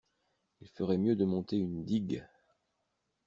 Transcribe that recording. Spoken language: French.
Il ferait mieux de monter une digue.